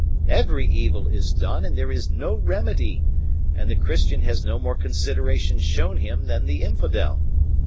Every evil is done and there is no remedy, and the Christian has no more consideration shown him than the infidel.